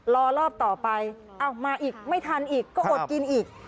รอรอบต่อไปเอ้ามาอีกไม่ทันอีกก็อดกินอีก